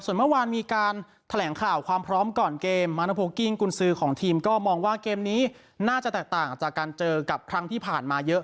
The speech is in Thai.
ส่วนเมื่อวานมีการแถลงข่าวความพร้อมก่อนเกมมาโนโพลกิ้งกุญสือของทีมก็มองว่าเกมนี้น่าจะแตกต่างจากการเจอกับครั้งที่ผ่านมาเยอะ